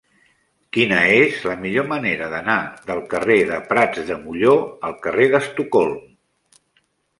Quina és la millor manera d'anar del carrer de Prats de Molló al carrer d'Estocolm?